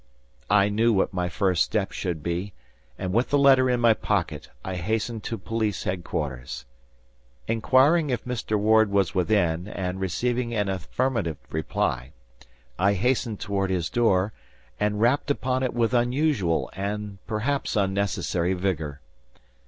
I knew what my first step should be; and with the letter in my pocket, I hastened to police headquarters. Inquiring if Mr. Ward was within and receiving an affirmative reply, I hastened toward his door, and rapped upon it with unusual and perhaps unnecessary vigor.